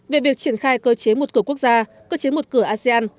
về việc triển khai cơ chế một cửa quốc gia cơ chế một cửa asean